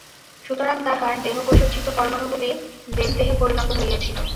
সুতরাং তাহার দেহকোষস্থিত পরমাণুগুলি দেব-দেহে পরিণত হইয়াছিল।